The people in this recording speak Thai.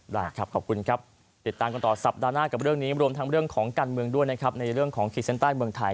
ได้ครับขอบคุณครับติดตามกันต่อสัปดาห์หน้ากับเรื่องนี้รวมทั้งเรื่องของการเมืองด้วยนะครับในเรื่องของขีดเส้นใต้เมืองไทย